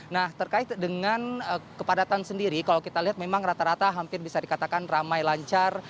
nah terkait dengan kepadatan sendiri kalau kita lihat memang rata rata hampir bisa dikatakan ramai lancar